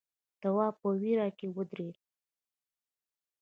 تواب په وېره کې ودرېد.